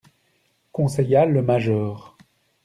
Conseilla le major.